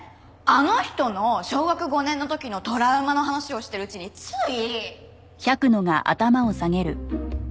あの人の小学５年の時のトラウマの話をしてるうちについ！